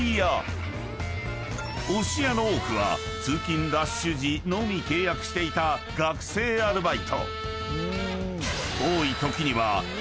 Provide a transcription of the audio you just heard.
［押し屋の多くは通勤ラッシュ時のみ契約していた学生アルバイト］